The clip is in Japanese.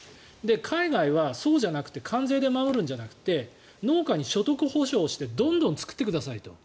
海外はそうじゃなくて関税で守るんじゃなくて農家に所得補償をしてどんどん作ってくださいと。